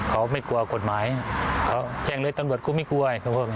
เขาไม่กลัวกฎหมายเขาแจ้งเลยตำลวดก็ไม่กลัวไอ้เขาว่าไง